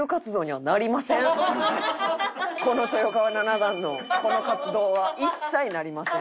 この豊川七段のこの活動は一切なりません。